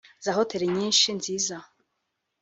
za Hotel nyinshi nziza